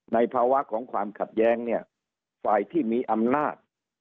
ภาวะของความขัดแย้งเนี่ยฝ่ายที่มีอำนาจ